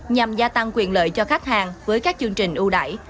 nhằm gia tăng quyền lợi cho khách hàng với các chương trình ưu đải